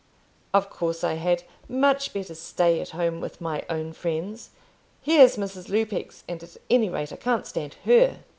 "Of course I had; much better stay at home with my own friends. Here's Mrs. Lupex, and at any rate I can't stand her."